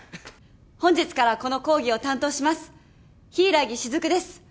本日からこの講義を担当します柊木雫です。